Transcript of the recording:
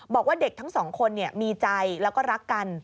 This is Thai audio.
บอกว่าเด็กทั้งสองคนมีใจแล้วก็รักกัน